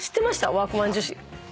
ワークマン女子。